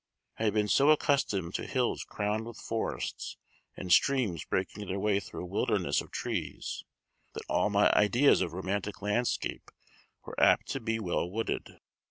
I had been so accustomed to hills crowned with forests, and streams breaking their way through a wilderness of trees, that all my ideas of romantic landscape were apt to be well wooded.